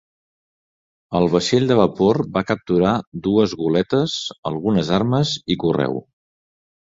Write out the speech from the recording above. El vaixell de vapor va capturar dues goletes, algunes armes i correu.